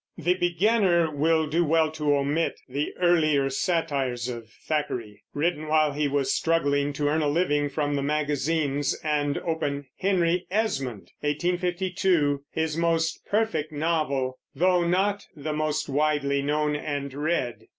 The beginner will do well to omit the earlier satires of Thackeray, written while he was struggling to earn a living from the magazines, and open Henry Esmond (1852), his most perfect novel, though not the most widely known and read.